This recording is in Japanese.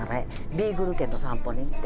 ビーグル犬と散歩に行って。